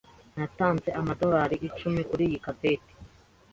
Natanze amadorari icumi kuriyi capeti.